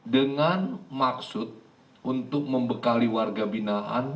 dengan maksud untuk membekali warga binaan